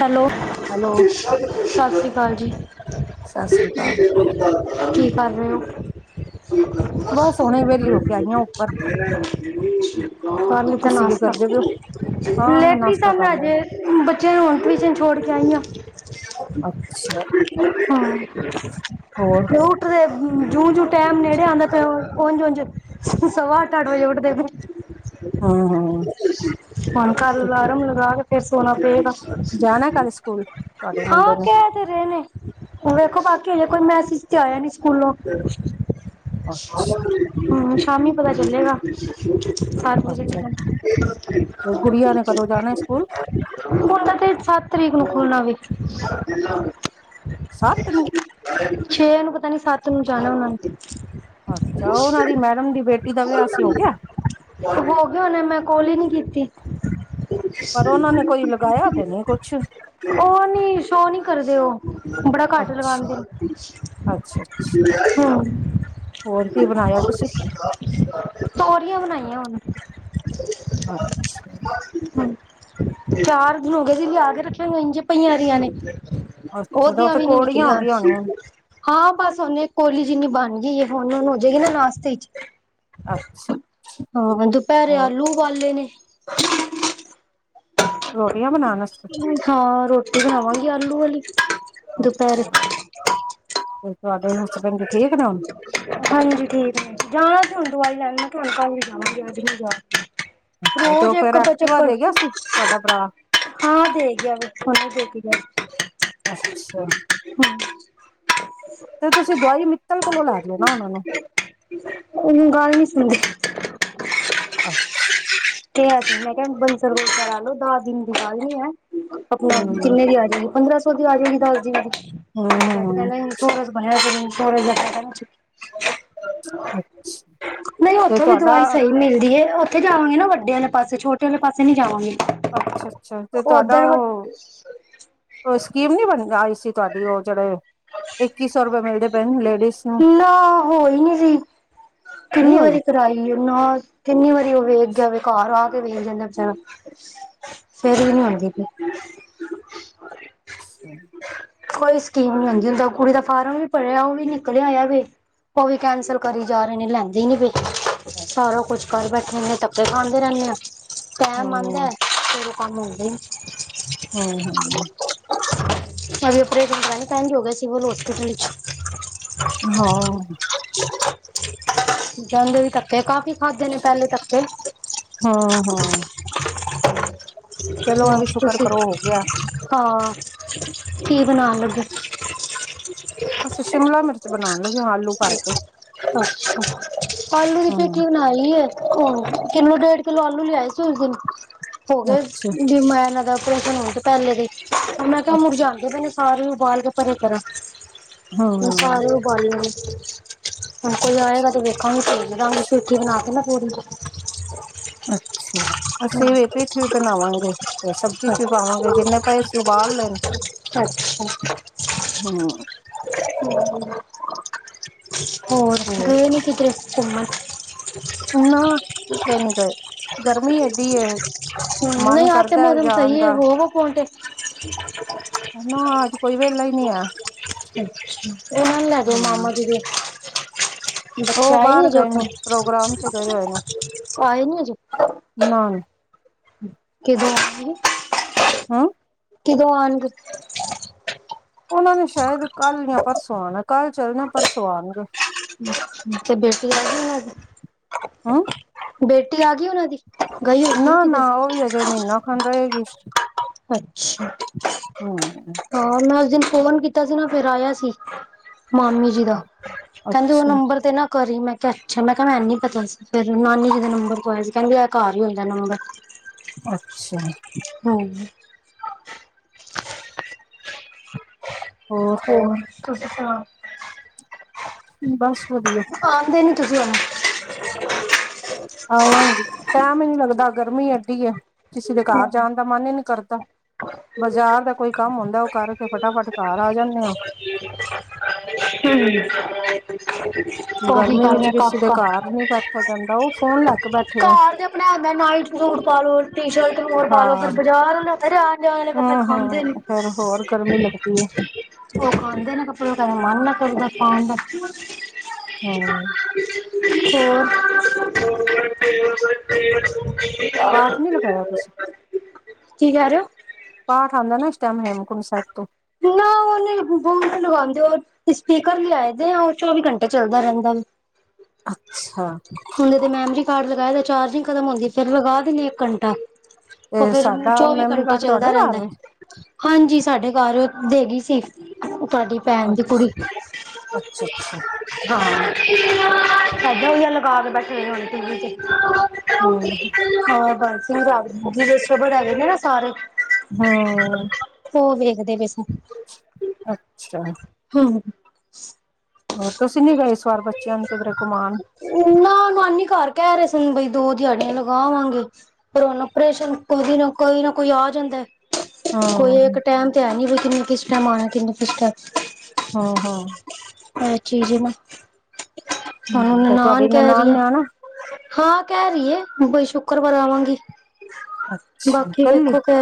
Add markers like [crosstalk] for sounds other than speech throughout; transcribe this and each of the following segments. Hello hello ਸਸ ਸ੍ਰੀ ਕਾਲ ਜੀ। ਸਤਿ ਸ੍ਰੀ ਅਕਾਲ ਕੀ ਕਰ ਰਹੇ ਹੋ? ਬਸ ਹੁਣੇ ਵਿਹਲੀ ਹੋ ਕੇ ਆਈ ਆ ਉੱਪਰ [unintelligible] ਕਰ ਲਿਤਾ ਤੁਸੀਂ ਕੀ ਨਾਸਤਾ। ਕਰਦੇ ਪਏ ਹੋ ਹਾਂ ਲੇਟੀ ਨਾਸ਼ਤਾ ਸਾ ਕਰ ਸੈਂ ਲਿਆ ਅਜੇ ਬੱਚਿਆਂ ਨੇ ਹੁਣ ਚਿਆਂ ਨੂੰ ਛੋੜ ਕੇ ਆਈਆਂ। ਅੱਛਾ ਹੋਰ [unintelligible] ਜੂੰ-ਜੂ ਟੈਮ ਨੇੜੇ ਆਉਂਦੇ ਪਿਆ ਉੰਝ-ਉਂਝ ਸਵਾ ਅਠ-ਅਠ ਵਜੇ ਉੱਠਦੇ ਨੇ। ਹਾਂ, ਹਾਂ। ਹੁਣ ਕਲ ਅਲਾਰਮ ਲਗਾ ਕੇ ਫੇਰ ਸੋਣਾ ਪਏਗਾ। ਜਾਣਾ ਕਲ ਸਕੂਲ ਤੁਹਾਡੇ ਮੁੰਡੇ ਹਾਂ ਨੇ। ਕਹਿ ਰਹੇ ਨੇ ਵੇਖੋ ਬਾਕੀ ਹਜੇ ਕੋਈ ਮੈਸੇਜ ਤੇ ਆਇਆ ਨੀ ਸਕੂਲੋਂ। ਅੱਛਾ ਹਾਂ ਸ਼ਾਮੀ ਪਤਾ ਚੱਲੇਗਾ। ਅੱਛਾ ਤੇ ਗੁੜੀਆਂ ਨੇ ਕਦੋਂ ਜਾਣਾ ਸਕੂਲ [unintelligible] ਹੁਣ ਤਾਂ ਤੇ ਸੱਤ ਤਰੀਕ ਨੂੰ ਖੁਲਣਾ ਵੇ। ਸੱਤ ਨੂੰ? ਛੇ ਨੂੰ ਪਤਾ ਨੀ ਸੱਤ ਨੂੰ ਜਾਣਾ ਉਹਨਾ ਨੇ। ਅੱਛਾ, ਉਹਨਾਂ ਦੀ ਮੈਡਮ ਦੀ ਬੇਟੀ ਦਾ, ਵਿਆਹ ਸੀ ਹੋ ਗਿਆ? ਹੋ ਗਏ ਹੋਣੇ ਮੈਂ ਕੋਲ ਹੀ ਨੀ ਕੀਤੀ। ਪਰ, ਉਹਨਾਂ ਨੇ ਕੋਈ, ਲਗਾਇਆ ਤੇ ਨਹੀਂ ਕੁਛ ਉਹ ਨੀ, ਸ਼ੋਅ ਨੀ ਕਰਦੇ ਉਹ, ਬੜਾ ਘੱਟ ਅੱਛਾ ਲਗਾਉਂਦੇ ਹੂੰ। ਅੱਛਾ ਅੱਛਾ ਹੋਰ ਕੀ ਬਣਾਇਆ ਤੁਸੀਂ ਤੋਰੀਆਂ ਬਣਾਈਆਂ ਹੁਣ। ਅੱਛਾ। ਹਾਂ ਚਾਰ ਦਿਨ ਹੋ ਗਏ ਸੀ ਲਿਆ ਕੇ ਰੱਖੀਆਂ ਹੋਈਆਂ ਇੰਜੇ ਪਈਆਂ ਰਹੀਆਂ ਨੇ। ਅੱਛਾ ਤੇ ਉਹ ਉਹਦੀਆਂ ਤੇ ਵੀ ਨੀ ਕੋੜੀਆਂ ਹੋ ਨਿਕਲੀਆਂ ਗਈਆਂ ਹੋਣੀਆਂ ਹਾਂ ਬਸ ਹੁਣ ਕੋਲੀ ਜਿੰਨੀ ਬਣ ਗਈ ਹੁਣ-ਹੁਣ ਹੋ ਜਾਏਗੀ ਨਾ ਨਾਸਤੇ ਚ। ਅੱਛਾ ਹਾਂ ਦੁਪਹਿਰੇ ਹੋਰ ਆਲੂ ਉਬਾਲੇ ਨੇ। ਰੋਟੀਆ ਬਣਾਣਾ ਆ ਹਾਂ ਰੋਟੀ ਬਣਾਵਾਗੀ ਆਲੂ ਵਾਲੀ ਦੁਪਹਿਰੇ। ਅੱਛਾ ਤੇ ਤੁਹਾਡੇ, ਹਸਬੈਂਡ ਠੀਕ ਨੇ ਹੁਣ ਹਾਂਜੀ ਠੀਕ ਹੈ। ਜਾਣਾ ਹੁਣ ਦਵਾਈ ਲੈਣ, ਮੈ ਕਹਾ ਹੁਣ ਕੱਲ ਹੀ ਜਾਵਾਗੀ ਤੇ ਉਹ ਰੋਜ, ਫੇਰ ਇਕ ਅੱਧਾ ਐਕਟਿਵਾ ਚਕਰ ਦੇ ਗਿਆ ਸੀ ਤੁਹਾਡਾ ਭਰਾ ਹਾਂ, ਦੇ ਗਿਆ ਹੁਣੇ ਦੇ ਕੇ ਗਿਆ ਅਛਾ? ਤੇ ਤੁਸੀਂ ਦਵਾਈ, ਮਿਤਲ ਕੋਲੋ ਲਾ ਦਿਓ, ਨਾ ਉਹਨਾ ਨੂੰ ਉਹ ਨੂੰ, ਗੱਲ ਨੀ ਸੁਣਦੀ ਅੱਛਾ। ਮੈਂ ਕਿਹਾ, ਡਿਸਪੈਂਸਰ ਕਰਾ ਲਓ, ਦਸ ਦਿਨ ਦੀ ਗੱਲ ਹੀ, ਐ ਆਪਣਾ, ਹੂੰ ਕਿੰਨੇ ਦੀ ਆ ਜਾਏਗੀ, ਪੰਦਰਾਂ ਸੌ ਦੀ ਆ ਜਾਏਗੀ, ਦਸ ਦੀ ਹੂੰ ਹੂੰ, ਅੱਛਾ [unintelligible] [inaudible] ਨਹੀ, ਤੇ ਉਥੋ ਵੀ ਤੁਹਾਡਾ ਦਵਾਈ ਸਹੀ ਮਿਲਦੀ ਏ ਉਥੇ ਜਾਵਾਗੇ ਨਾ ਵ ਵਡੇ ਵਾਲੇ ਪਾਸੇ, ਛੋਟੇ ਵਾਲੇ ਪਾਸੇ ਨਹੀ, ਜਾਵਾਗੇ ਅੱਛਾ ਅੱਛਾ ਤੇ ਤੁਹਾਡਾ ਉਹ ਕੋਈ ਸਕੀਮ, ਨਈ ਬਣੀ, ਆਈ ਸੀ ਤੁਹਾਡੀ ਉਹ ਜਿਹੜੇ ਇਕੀ ਸੋ, ਰੁਪਏ ਮਿਲਦੇ ਪਏ ਲੇਡੀਜ਼ ਨੂੰ ਨਹੀਂ ਕਿਨੀ ਹੋਈ ਵਾਰੀ ਕਰਾਈ ਏ ਨਾ, ਕਿਨੀ ਵਾਰੀ ਉਹ ਵੇਖ ਗਿਆ, ਘਰ ਆ ਕੇ ਵੇਖ ਜਾਦਾ ਵਿਚਾਰਾ ਫ਼ੇਰੇ, ਵੀ ਮਾਰਦੀ ਪਈ ਆ ਹਮ [inaudible] [inaudible] ਕੋਈ ਸਕੀਮ, ਨਈ ਆਈ ਜਿਹੜਾ, ਕੁੜੀ ਦਾ ਫਾਰਮ ਨਈ ਭਰਿਆ, ਉਹ ਵੀ ਨਿਕਲ ਆਇਆ ਵੇ, ਉਹ ਵੀ ਕੈਂਸਲ ਕਰੀ ਜਾ ਰਹੇ ਨੇ, ਲੈਦੇ ਨ ਪਏ ਸਾਰਾ ਕੁਛ, ਕਰ ਬੈਠੇ ਨੇ ਆ ਧੱਕੇ ਖਾਂਦੇ, ਰਹਿਦੇ ਆ ਟਾਈਮ, ਹੂੰ ਆਦਾ ਤੇ ਕੰਮ ਹੁੰਦੇ ਨੀ ਹੂ- ਹੂ- ਸਾਡੇ ਪਰੇਸ਼ਨਦਾ, ਟਾਈਮ ਹੋ ਗਿਆਉਹ ਹੋਸਪਿਟਲ ਚਲੇ ਗਏ ਹਾਂ ਆ ਓ ਜਾਂਦੇ ਵੀ ਧਕੇ, ਕਾਫੀ ਖਾਦੇ ਨੇ, ਪਹਿਲੇ ਧਕੇ ਹਾਂ- ਹਾਂ- ਚਲੋ ਇਹ ਹਾਂ ਵੀ ਸ਼ੁਕਰ ਤੁਸੀ ਕਰੋ ਹੋ ਗਿਆ ਕੀ, ਬਣਾਉਣ ਲਗੇ? ਅਸੀ, ਸ਼ਿਮਲਾ ਮਿਰਚ ਤੇ ਬਣਾਣ, ਲੱਗੀ ਆਲੂ ਭਰ ਕੇ ਪੰਜ ਮਿੰਟ ਵਿੱਚ, ਈ ਹੂੰ ਬਣਾ ਲਈਂ ਏ ਵੇਖੋ ਕਿਲੋ ਡੇਢ ਕਿਲੋ ਆਲੂ, ਲਿਆਏ ਸੀ ਉਸ ਦਿਨ ਪੋਜਲ ਅੱਛਾ ਦੀ ਮਾ ਦਾ, ਓਪਰੇਸ਼ਨ ਹੋਣ ਤੋ ਪਹਿਲੇ ਦੇ, ਮੈ ਕਿਹਾ ਅੱਛਾ ਮੁਰਝਾਂਦੇ ਆਲੂ ਉਬਾਲ ਕੇ, ਪਰੇ ਕਰਾ ਮੈ ਹਾਂ, ਸਾਰੇ ਉਬਾਲ ਲਏ ਸੀ। ਹੁਣ ਕੋਈ ਆਏਗਾ, ਅੱਛਾ। ਤੇ ਵੇਖ ਗੀ ਰੋਟੀ ਬਣਾ ਕੇ ਨਾ ਥੋੜੀ, ਜਈ ਅੱਛਾ ਹਮ, ਅਸੀਂ ਵੀ, ਪੀਠੀ ਬਣਾਵਾਂਗੇ। ਤੇ ਸਬਜ਼ੀ ਚ, ਵੀ ਪਾਵਾਂਗੇ। ਜਿਨੇ ਪਏ ਸੀ ਉਬਾਲ ਲੈ। ਹੂੰ, ਅਛਾ। ਹੋਰ, ਗਏ ਨੀ ਕਿਧਰੇ ਘੁੰਮਣ? ਨਾ, ਕਿਧਰੇ ਨਹੀਂ ਗਏ, ਗਰਮੀ ਏਡੀ ਏ ਮਨ ਨਈ ਅੱਜ, ਕਰਦਾ ਮੌਸਮ ਜਾਣ ਸਹੀ ਹੈ। ਦਾ ਹੋ ਆਵਾ ਪਾਉਂਟੇ? ਨਾ, ਅਸੀਂ ਕੋਈ ਵਿਹਲਾ ਨਈ ਹੈ। ਇਹਨੂੰ ਲੈ ਜਾਓ, ਹੂੰ, ਮਾਮਾ ਜੀ ਨੂੰ ਬੱਚੋ, ਉਹ ਆਈ ਨਈ ਬਾਹਰ ਅਜੇ ਗਏ ਉਥੋ, ਨੇ ਪ੍ਰੋਗਰਾਮ ਤੇ ਗਏ ਹੋਏ ਨੇ ਆਏ ਨੀ ਅਜੇ ਨਾ ਈ ਕਿਦਾ ਕੀ ਹਾ ਆਂ ਕਿਦੋਂ, ਆਉਣਗੇ? ਉਹਨਾਂ ਨੇ ਸ਼ਾਇਦ, ਕੱਲ ਜਾਂ ਪਰਸੋਂ ਆਣਾ। ਕੱਲ ਚੱਲਣਾ, ਪਰਸੋਂ ਆਉਣਗੇ। ਤੇ ਬੇਟੀ ਆ ਗਈ ਉਹਨਾਂ ਦੀ। ਹੂੰ। ਬੇਟੀ ਆ ਗਈ ਉਹਨਾਂ ਦੀ? ਗਈ ਹੋਈ ਸੀ ਨਾ- ਨਾ, ਕਿਧਰ ਉਹ ਵੀ ਹਜੇ, ਮਹੀਨਾ ਖਣ ਰਹੇਗੀ। ਅੱਛਾ। ਹੂੰ। [unintelligible] ਹਾਂ, ਮੈਂ ਉਸ ਦਿਨ ਫੋਨ ਕੀਤਾ ਸੀ। ਨਾ ਫੇਰ, ਆਇਆ ਸੀ, ਮਾਮੀ। ਜੀ ਦਾ। ਕਹਿੰਦੀ ਉਹ, ਅੱਛਾ, ਨੰਬਰ ਤੇ ਨਾ ਕਰੀ, ਮੈਂ। ਮੈਂ ਕਿਹਾ ਅੱਛਾ, ਮੈਂ ਕਿਹਾ ਮੈਂਨੂੰ ਨੀ ਪਤਾ ਸੀ। ਫੇਰ ਨਾਨੀ ਤੇ, ਨੰਬਰ ਪਵਾਇਆ ਸੀ। ਕਹਿੰਦੀ ਆ ਘਰ ਹੀ, ਹੁੰਦਾ ਨਾ। ਅਛਾ। ਹੂੰ। ਹੋਰ? ਹੋਰ, ਤੁਸੀ ਸੁਣਾਓ? ਬਸ ਵਧੀਆ। ਆਂਦੇ ਨੀ, ਤੁਸੀਂ ਹੁਣ। ਆਵਾਂਗੀ, ਟਾਇਮ ਹੀ ਨੀ ਲੱਗਦਾ। ਗਰਮੀ ਐਡੀ ਹੈ। ਕਿਸੇ ਦੇ ਘਰ, ਹੁਣ ਜਾਣ ਦਾ ਮਨ ਹੀ, ਨੀ ਕਰਦਾ। ਬਾਜ਼ਾਰ ਦਾ ਕੋਈ ਕੰਮ ਹੁੰਦਾ। ਉਹ ਕਰਕੇ, ਫਟਾਫੱਟ ਘਰ ਆ ਜਾਂਦੇ ਆ। ਹੂੰ। [unintelligible] ਗਰਮੀ ਵਿੱਚ, ਕਿਸੇ ਦੇ ਘਰ ਨੀ, ਬੈਠਾ ਜਾਂਦਾ। ਉਹ ਫੋਨ ਲੈ ਕੇ ਬੈਠੇ ਆ। ਆਪਣਾ ਆਉਂਦਾ, ਨਾਈਟ ਸੂਟ ਪਾ ਲੋ, ਟੀ ਸ਼ਰਟ। ਹੋਰ ਪਾਲੋ। ਫੇਰ ਹਾਂ ਬਾਜ਼ਾਰ ਵਾਲੇ ਹੁੰਦੇ। ਤੇ ਆਉਣ ਜਾਣ ਵਾਲੇ ਕੱਪੜੇ ਹੂੰ ਖਾਂਦੇ ਨੇ। ਹੂੰ ਫੇਰ ਹੋਰ ਗਰਮੀ ਲੱਗਦੀ ਹੈ ਉਹ ਖਾਂਦੇ ਨੇ ਕੱਪੜੇ। ਕਦੇ ਮਨ ਨਹੀਂ ਕਰਦਾ ਪਾਣ ਦਾ। ਹੂੰ। [unintelligible] ਹੋਹ ਪਾਠ ਨੀ ਲਗਾਇਆ [unintelligible] ਤੁਸੀਂ ਕੀ, ਕਿਹ ਰਹੇ ਹੋ? ਪਾਠ ਆਉਂਦਾ ਨਾ। ਇਸ ਟਾਈਮ, ਹੇਮਕੁੰਟ ਸਾਹਿਬ ਤੋਂ। ਸੁਨ [unintelligible] ਉਹਨੇ ਫੋਨ ਲਗਾਉਂਦੇ ਉਹ। ਸਪੀਕਰ ਲਿਆਏ ਦੇ ਆ। ਉਹ ਚੌਵੀ ਘੰਟੇ ਚੱਲਦਾ ਰਹਿੰਦਾ। ਅੱਛਾ। ਉਹਦੇ ਤੇ ਮੈਮਰੀ ਕਾਰਡ ਲਗਾਏ ਦਾ। ਚਾਰਜਿੰਗ ਖਤਮ ਹੁੰਦੀ। ਫੇਰ ਲਗਾ ਦਿੰਦੀ ਇੱਕ ਘੰਟਾ। ਉਹ ਤੇ ਫੇਰ, ਸਾਡਾ ਚੌਵੀ ਮੈਮਰੀ ਘੰਟੇ ਕਾਰਡ ਤੁਹਾਡੇ ਚੱਲਦਾ ਘਰ ਰਹਿੰਦਾ। ਵੇ ਹਾਂਜੀ, ਸਾਡੇ ਘਰ ਦੇ, ਗਈ ਸੀ, ਤੁਹਾਡੀ। ਭੈਣ, ਦੀ ਕੁੜੀ। ਅੱਛਾ ਅੱਛਾ ਹਾਂ, ਸਾਡੇ ਵੀ ਏ ਲਗਾ ਕੇ, ਬੈਠੇ ਹੋਏ, ਟੀ ਵੀ ਤੇ। ਹੂੰ ਹਾਂ ਬ ਸਿੰਘਸਬਰ ਹੈ ਨੇ ਨਾ ਸਾਰੇ [unintelligible] ਹੂੰ। ਉਹ ਵੇਖਦੇ ਪਏ ਸੀ। ਅੱਛਾ। ਹਾਂ ਤੁਸੀਂ ਨੀ ਗਏ ਇਸ ਵਾਰ ਬੱਚਿਆਂ ਨੂੰ ਕਿੱਧਰੇ ਘਮਾਉਣ ਨਾ ਨਾਨੀ ਘਰ ਕਹਿ ਰਹੇ ਸਨ ਬਈ ਦੋ ਦਿਹਾੜੀਆਂ ਲਗਾਵਾਂਗੇ ਆਪਰੇਸ਼ਨ ਕੋਈ ਨਾ ਕੋਈ ਨਾ ਕੋਈ ਆ ਜਾਂਦਾ ਕੋਈ ਹੂੰ ਇੱਕ ਟਾਂਇਮ, ਤੇ ਹੈ ਨੀ। ਕਿਨੂੰ ਕਿਸ ਟਾਂਇਮ ਆਉਣਾ। ਕਿਨੂੰ ਕਿਸ ਟਾਂਇਮ। ਹੂੰ- ਹੂੰ। ਇਹ ਚੀਜ਼ ਨਾ। ਹੂੰ ਹੂੰ, ਤੇ ਨਨਾਣ ਤੁਹਾਡੀ ਕਹਿ ਰਹੀ ਹੈ। ਨੇ ਆਣਾ? ਹਾਂ, ਕਹਿ ਰਹੀਏ। ਬਈ, ਸ਼ੁੱਕਰਵਾਰ ਆਵਾਂਗੀ। ਬਾਕੀ, ਕੱਲੀ? ਵੇਖੋ ਕੀ।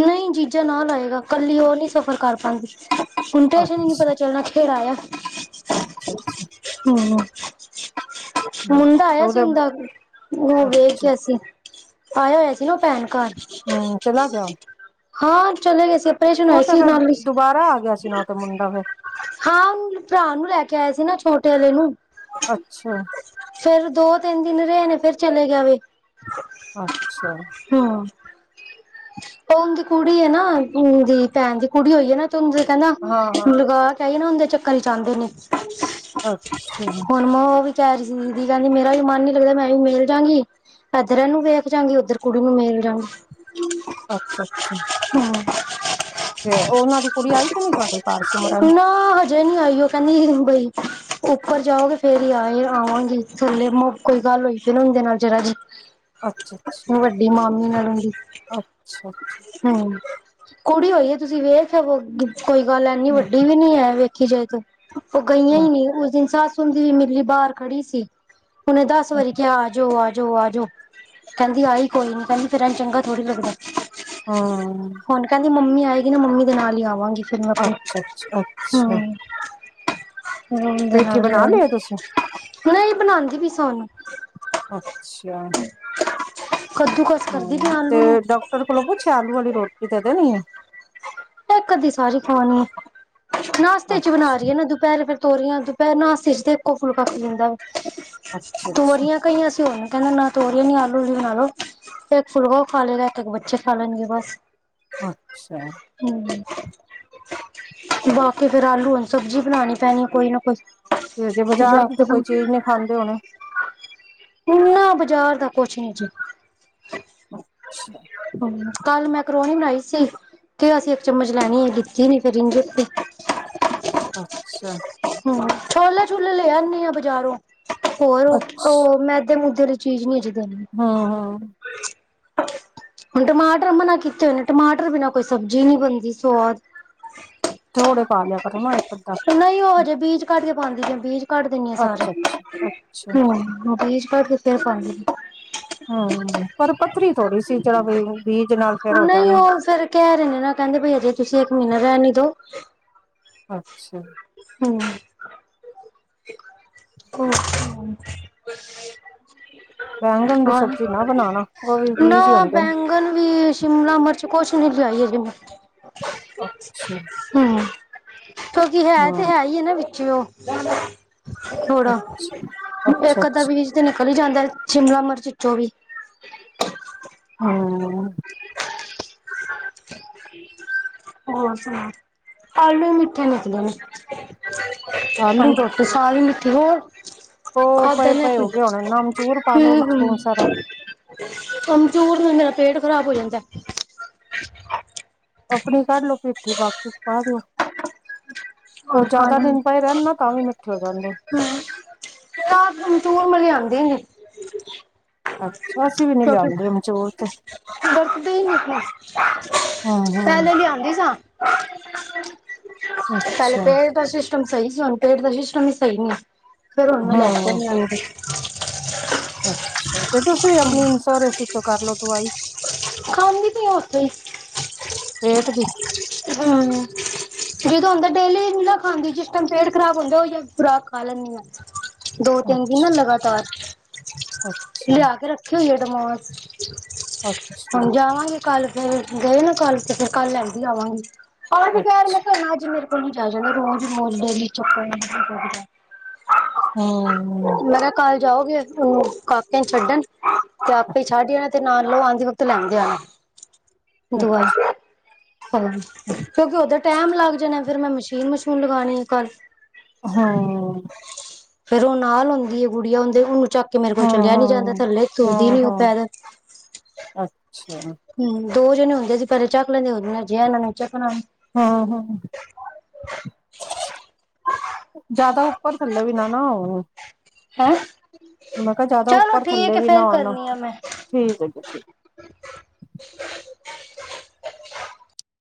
ਨਹੀਂ, ਜੀਜਾ ਨਾਲ ਆਏਗਾ। ਕੱਲੀ ਉਹ ਨਹੀਂ, ਸਫ਼ਰ ਕਰ ਪਾਉਂਦੀ। ਉਹਨੂੰ ਸਟੇਸ਼ਨ ਨਹੀਂ ਪਤਾ ਚੱਲਣਾ ਕੇਧਰ ਆਆ। [unintelligible] ਅੱਛਾ- ਅੱਛਾ। ਹੂੰ। ਹੂੰ ਮੁੰਡਾ ਤੇ ਆਇਆ ਸੀ ਉਹਦੇ ਉਂਦਾ। ਉਹ ਵੇਖ ਅੱਛਾ, ਗਿਆ ਸੀ। ਆਇਆ ਹੋਇਆ ਸੀ ਨਾ, ਉਹ ਭੈਣ ਘਰ। ਹਾਂ ਚਲਾ ਗਿਆ ਹਾਂ ਚਲੇ ਗਏ ਸੀ- ਆਪਰੇਸ਼ਨ ਓ ਹੋਇਆ ਤੇ ਸੀ ਫੇਰ ਨਾਲ ਹੀ ਦੁਬਾਰਾ ਆ ਗਿਆ ਸੀ ਨਾ ਓ ਤੇ ਮੁੰਡਾ ਫੇਰ। ਹਾਂ ਓਨੂੰ ਭਰਾ ਨੂੰ ਲੈ ਕੇ ਆਏ ਸੀ ਨਾ ਛੋਟੇ ਅਲੇ ਨੂੰ। ਅੱਛਾ ਫੇਰ ਦੋ ਤਿੰਨ ਦਿਨ ਰਏ ਨੇ ਫੇਰ ਚਲੇ ਗਿਆ ਵੇ। ਅੱਛਾ ਹੂੰ ਤੇ ਓਂਦੀ ਕੁੜੀ ਏ ਨਾ। ਓਦੀ ਭੈਣ ਦੀ ਕੁੜੀ ਓਈ ਏ ਨਾ। ਤੇ ਓਨੂੰ ਕੇਂਦਾ ਹਾਂ-ਹਾਂ, ਲਗਾ- ਤਾਈ ਨਾ ਓਂਦੇ ਚੱਕਰ ਚ ਆਂਦੀ ਨੀ ਅੱਛਾ ਹੁਣ ਮ ਓ ਵੀ ਕੈ ਰੀ ਸੀ ਦੀ ਕੇਂਦੀ ਮੇਰਾ ਵੀ ਮਨ ਨੀ ਲੱਗਦਾ। ਮੈਂ ਵੀ ਮਿਲ ਜਾਂਗੀ। ਏਧਰ ਏਨੂੰ ਵੇਖ ਜਾਂਗੀ ਓਧਰ ਕੁੜੀ ਨੂੰ ਮਿਲ ਜਾਂਗੀ। ਅੱਛਾ ਅੱਛਾ ਹੂੰ ਤੇ ਉਨਾਂ ਦੀ ਕੁੜੀ ਆਈ ਤੇ ਨੀ ਤੁਆਡੇ। ਨਾ ਹਜ- ਅਜੇ ਨੀ ਆਈ ਓ। ਓ ਕੇਂਦੀ ਬਈ ਉੱਪਰ ਜਾਓਗੇ ਫੇਰ ਈ ਆਏ ਆਵਾਂਗੀ। ਲੇ ਮੁਕ ਕੋਈ ਗੱਲ ਹੋਈ ਸੀ ਨਾ ਓਦੇ ਨਾਲ ਜਰਾ ਜੀ। ਅੱਛਾ-ਅੱਛਾ, ਵੱਡੀ ਮਾਮੀ ਨਾਲ ਦੀ। ਅੱਛਾ ਅੱਛਾ ਹੂੰਅ ਕੁੜੀ ਹੋਈ ਏ ਤੁਸੀਂ ਵੇਖ ਅਵੋ। ਕੋਈ ਗੱਲ ਐਨੀ ਵੱਡੀ ਹੂੰ, ਵੀ ਨੀ ਹੈ ਵੇਖ- ਕਿਦੇ ਤੋਂ ਓ ਗਈਆਂ ਈ ਹੂੰ। ਨੀ ਉਸ ਦਿਨ ਸੱਸ ਊਂਦੀ ਮਿਲੀ ਬਾਰ ਖੜੀ ਸੀ। ਉਨੇ ਦੱਸ ਵਰੀ ਕਿਆ ਆ ਜਾਓ-ਆ ਜਾਓ -ਆ ਜਾਓ। ਕੇਂਦੀ ਆਈ ਕੋਈ ਨਾ। ਕੇਂਦੀ ਫੇਰ ਏਂਜ ਚੰਗਾ ਥੋੜ੍ਹੀ ਲੱਗਦਾ। ਹਾਂ ਹੁਣ ਕੇਂਦੀ ਮੰਮੀ ਆਏਗੀ ਨਾ ਮੰਮੀ ਦੇ ਨਾਲ ਈ ਆਵਾਂਗੀ ਫੇਰ ਮੈਂ ਓਥੋਂ। ਅੱਛਾ ਅੱਛਾ ਅੱਛਾ ਹੂੰ ਮੰਮੀ ਦੇ ਪੇਠੀ ਨਾਲ ਈ ਬਣਾ ਲਈ ਏ ਆਏਗੀ। ਤੁਸੀਂ? ਮੈਂ ਵੀ ਬਣਾਂਦੀ ਪਈ ਸਾ ਹੁਣ। ਅੱਛਾ ਕੱਦੂ ਕਸ ਕਰਦੀ ਪੀਆ ਆਲੂ ਨੂੰ। ਓਦੇ ਕੋਲੋਂ ਪੁੱਛਿਆ ਆਲੂ ਅਲੀ ਰੋਟੀ ਦੇ ਦੇਣੀ ਐ। ਇਕ ਅੱਧੀ ਸਾਰੀ ਖਾਣੀ। ਨਾਸ਼ਤੇ 'ਚ ਬਣਾ ਰੀ ਆ ਨਾ। ਦੁ- ਦੁਪਹਿਰੇ ਫੇਰ ਤੋਰੀਆਂ। ਦੁਪਹਿਰੇ ਨਾਸਤੇ 'ਚ ਤੇ ਇੱਕੋ ਫੁੱਲਕਾ ਖਾ ਲਈ ਦਾ। ਅੱਛਾ ਅੱਛਾ ਕਈਆਂ ਬਸ ਸੋਕੇਂੜਾ ਨਾਲ ਤੋਰੀਆ ਨੀ ਆਲੂ ਲੀ ਬਣਾ ਲੋ। ਇੱਕ ਫੁਲਵਾ ਖਾ ਲਏਗਾ। ਇੱਕ ਬੱਚੇ ਖਾ ਲੈਣਗੇ ਬਸ। ਅੱਛਾ। ਹੂੰ -ਬਾਕੀ ਫੇਰ ਆਲੂ ਵਾਲੀ ਸਬਜ਼ੀ ਬਣਾਣੀ ਪੈਣੀ। ਕੋਈ ਨਾ ਕੋਈ- ਤੇ ਅਜੇ ਬਾਜ਼ਾਰ ਜਾ ਦੀ ਤੇ ਕੋਈ ਕੇ ਚੀਜ਼ ਨੀ ਖਾਂਦੇ ਹੋਣੇ। ਨਾ ਬਾਜ਼ਾਰ ਦਾ ਕੁਛ ਨੀ ਜੀ। ਅੱਛਾ ਕੱਲ ਮੈਕਰੋਣੀ ਬਣਾਈ ਸੀ। ਕਿਆ ਸੀ ਇੱਕ ਚਮਚ ਲੈਣੀ ਏ ਲੀਤੀ ਨੀ ਫੇਰ ਇੰਝੇ ਉਤੇ- ਅੱਛਾ ਹਾਂ ਛੋਲੇ ਛੁਲੇ ਲੈ ਆਨੀ ਆ ਬਜ਼ਾਰੋਂ। ਹੋਰ ਓ ਅੱਛ ਓ ਮੈਦੇ ਮੂਦੇ ਅਲੀ- ਚੀਜ਼ ਨੀ ਅਜੇ ਦੇਨੀ। ਹਾਂ ਹਾਂ। ਹੁਣ ਟਮਾਟਰ ਮਨਾ ਕੀਤੇ ਹੋਏ ਨੇ ਟਮਾਟਰ ਬਿਨਾਂ। ਕੋਈ ਸਬਜ਼ੀ ਨਹੀਂ ਬਣਦੀ ਸਵਾਦ। ਥੋੜ੍ਰੇ ਪਾ ਲਿਆ ਕਰੋ ਨਾ ਇੱਕ ਅੱਧਾ। ਨਹੀਂ ਹੀ ਉਹ ਹਜੇ ਬੀਜ ਕੱਢ ਕੇ ਪਾਉਂਦੀ ਹੈ। ਬੀਜ। ਕੱਢ ਦਿੰਦੀ ਆ ਸਾਰੇ ਅੱਛਾ ਅੱਛਾ ਅੱਛਾ ਹੂੰ ਬੀਜ਼ ਕੱਢ ਦਿੱਤੇ ਆ ਸਾਰੇ। ਹਾਜੀ, ਪਰ ਪੱਥਰੀ ਥੋੜੀ ਸੀ। ਜਿਹੜਾ ਵੀ ਬੀਜ ਨਾਲ ਫੇਰ ਆ। ਹੋ ਨਹੀਂ ਜਾਣੀ। ਉਹ ਫੇਰ ਕਹਿ ਰਹੇ ਨੇ, ਨਾ ਕਹਿੰਦੇ ਬਈ ਅਜੇ ਤੁਸੀਂ ਇੱਕ ਮਹੀਨਾ ਰਹਿਣ ਹੀ ਦੋ। ਅੱਛਾ। ਹੂੰ ਦੇਖੋ ਹੁਨ। ਬੈਂਗਣ ਦੀ ਹਨ। ਸਬਜ਼ੀ ਨਾ ਬਣਾਣਾ ਉਹ ਵੀ ਬੀਜ ਹੀ ਮੈ ਹੁੰਦੇ ਨੇ ਬੈਗ ਕਲੀ ਸ਼ਿਮਲਾ ਮਿਰਚ ਕੁਛ ਨੀ ਲਿਆਈ ਅਜੇ ਮੈਂ। ਅੱਛਾ ਕੀ ਹੈ ਤੇ, ਹਾਂ ਹੈ ਈ ਏ ਨਾ ਵਿੱਚੇ ਓ। ਥੋੜਾ- ਅੱਛਾ ਅੱਛਾ ਇੱਕ ਅਧਾ ਅੱਛਾ ਪੀਸ- ਉਹ ਤੇ ਨਿਕਲ ਹੀ ਜਾਂਦਾ ਹੈ। ਸ਼ਿਮਲਾ ਮਿਰਚ ਚੋਂ ਓਵੀ। ਹੂੰ। ਹੋਰ ਸੁਣਾਓ। ਆਲੂ ਵੀ ਮਿੱਠੇ ਨੇ, ਆਲੂ ਹੁਣ ਰੋਟੀ ਸਾਰੀ ਮਿੱਠੀ ਹੋਰ। ਉਹ ਖਾਦਾ ਪਏ ਨੀ ਪਏ ਅਸੀਂ। ਹੋ ਗਏ ਹੋਣੇ ਨਮਚੂਰ ਪਾ ਲੋ ਹੂੰ ਵਿੱਚ ਬਹੁਤ ਸਾਰਾ ਹੂੰ ਕਮਜ਼ੋਰ ਨਾਲ ਮੇਰਾ ਪੇਟ ਖ਼ਰਾਬ ਹੋ ਜਾਂਦਾ ਐ। ਆਪਣੀ ਕੱਢ ਲਓ ਮਿੱਠ ਬਾਕੀ 'ਚ ਪਾ ਦੀ। ਉਹ ਹਾਂ ਖਾ ਜ਼ਿਆਦਾ ਦਿਨ ਪਏ ਰਹਿਣ ਨਾ ਤਾਂ ਵੀ ਮਿੱਠੇ ਹੋ ਜਾਂਦੇ ਨ। ਹੂੰ। ਤਾਂ ਆਮਚੂਰ ਵਾਲੇ ਆਉਂਦੇ ਨੇ। ਅੱਛਾ। ਅਸੀਂ ਵੀ ਨੀ ਨਹੀਂ ਲਿਆਉਂਦੇ ਆਮਚੂਰ। ਵਰਤਦੀ ਨਹੀਂ ਸਾ। ਹਮ ਪਹਿਲੇ ਹਮ ਲਿਆਉਂਦੇ ਸਾਂ। [inaudible] ਅੱਛਾ। ਫੇਰ ਤਾਂ ਸਿਸਟਮ ਸਹੀ ਸੀ। ਹੁਣ ਪੇਟ ਦਾ ਸਿਸਟਮ ਹੀ ਸਹੀ ਨਹੀਂ। ਫੇਰ ਹੁਣ ਮੈਂ ਲੈ ਕੇ ਹਾਂ ਨਹੀਂ ਆਉਂਦੀ। ਅੱਛਾ। ਤੇ ਤੁਸੀਂ ਵੀ ਆਪਣੀ ਇਨਸੋਰਸ ਚੋਂ ਕਰਲਓ ਦਵਾਈ। ਖਾਂਦੀ ਪੀਆ ਓ ਤੇ, ਪੇਟ ਦੀ ਹੂੰ। ਜਦੋਂ ਹੁੰਦਾ ਡੇਲੀ ਨਹੀਂ ਨਾ ਖਾਂਦੀ। ਜਿਸ ਟਾਈਮ ਪੇਟ ਖ਼ਰਾਬ ਹੁੰਦਾ ਉਹ ਖੁਰਾਕ ਖਾ ਲੈਂਦੀ ਆ। ਦੋ- ਤਿੰਨ ਦਿਨ ਨਾ ਅੱਛਾ ਲਗਾਤਾਰ। ਅੱਛਾ ਲਿਆ ਕੇ ਰੱਖੀ ਹੋਈ ਆ ਡਮੋਸ। ਅੱਛਾ ਹੁਣ ਜਾਵਾਂਗੇ ਕੱਲ ਫਿਰ, ਗਏ ਨਾ ਕੱਲ ਤੇ ਫਿਰ ਕੱਲ ਲੈਂਦੀ ਆਵਾਂਗੀ। ਹੋਰ ਵੀ ਅੱ ਬੋਰ ਮੈਂ ਘਰ ਮੇਰੇ ਤੋਂ ਨਹੀਂ ਜਾਇਆ ਜਾਂਦਾ। ਰੋਜ਼-ਰੋਜ਼ ਡੇਲੀ ਚੱਕਰ ਵੱਜਦਾ। ਹਮ ਮੈਂ ਤਾਂ। ਕੱਲ ਜਾਓਗੇ। ਉੱਥੇ ਕਾਕੇ ਨੂੰ ਛੱਡਣ, ਤੇ ਆਪੇ ਛੱਡ ਜਾਣਾ ਤੇ ਨਾਲ ਲੈ ਆਉਂਦੇ ਤੋਂ ਲੈਂਦੇ ਆਨਾ। ਹਮ ਦਵਾਈ ਹਾਂਜੀ। ਕਿਉਂਕਿ ਉਦਰ ਟਾਈਮ ਲੱਗ ਜਾਣੇ ਫਿਰ ਮੈਂ ਮਸ਼ੀਨ- ਮਸ਼ੂਨ ਲਗਾਉਣੀ ਆ ਕਲ। ਹਾਨ ਫੇਰ ਉਹ ਨਾਲ ਹੁੰਦੀ ਹੈ ਗੁੜੀਆ ਉਹਦੇ ਉਹਨੂੰ ਚੱਕ ਮੇਰੇ ਕੋਲ ਚਲਿਆ ਨੀ ਜਾਂਦਾ ਹੈ ਹਮ ਥੱਲੇ ਤੁਰਦੀ ਹਮ ਨੀ ਉਹ ਹਮ ਪੈਰਾਂ ਤੇ ਅੱਛਾ ਹੂੰ ਦੋ ਜਣੇ ਹੁੰਦੇ ਸੀ ਪਹਿਲੇ ਚੱਕ ਲੈਂਦੇ ਹੁੰਦੇ ਨੇ ਜਿਹਾ ਇਹ ਨੇ ਚਕਣਾ ਹਾਂ- ਹਾਂ। ਜਿਆਦਾ ਉੱਪਰ ਥੱਲੇ ਵੀ ਨਾ ਨਾ ਹੋਵੋ। ਹੈਂ ਮੈਂ ਕਿਹਾ ਜਿਆਦਾ ਚਲੋ ਉੱਪਰ ਠੀਕ ਥੱਲੇ ਹੈ ਵੀ ਨਾ ਫੇਰ ਹੁਣਾ ਕਰਨੀ ਆ ਮੈਂ ਠੀਕ ਹੈ। ਜੀ ਠੀਕ।